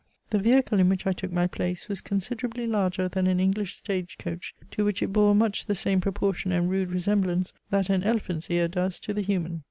The vehicle, in which I took my place, was considerably larger than an English stage coach, to which it bore much the same proportion and rude resemblance, that an elephant's ear does to the human.